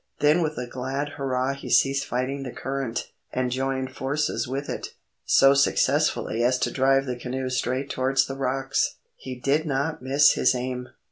Then with a glad hurrah he ceased fighting the current, and joined forces with it, so successfully as to drive the canoe straight towards the rocks. He did not miss his aim.